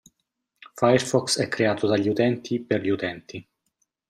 Firefox è creato dagli utenti per gli utenti.